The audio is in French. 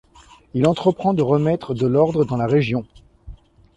Il entreprend de remettre de l’ordre dans la région.